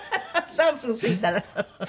３分過ぎたら？